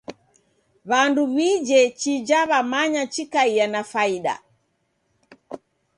W'andu w'ije chija w'amanya chikaiaa na faida.